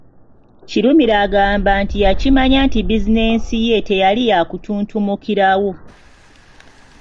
Kirumira agamba nti yakimanya nti bizinensi ye teyali ya kutuntumukirawo.